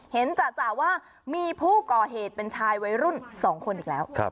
จ่ะว่ามีผู้ก่อเหตุเป็นชายวัยรุ่น๒คนอีกแล้ว